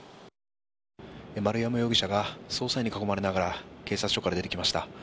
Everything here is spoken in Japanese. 丸山容疑者が捜査員に囲まれながら警察署から出てきました。